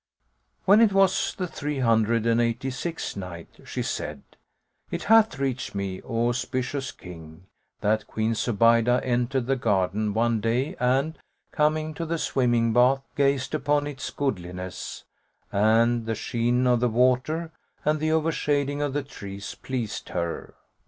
When it was the Three Hundred and Eighty sixth Night She said, It hath reached me, "O auspicious King, that Queen Zubaydah entered the garden one day and, coming to the swimming bath, gazed upon its goodliness; and the sheen of the water and the overshading of the trees pleased her.